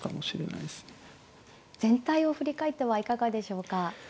全体を振り返ってはいかがでしょうか。